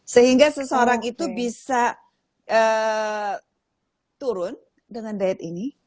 sehingga seseorang itu bisa turun dengan diet ini